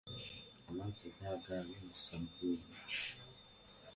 Amazzi gaago awo ne ssabbuuni.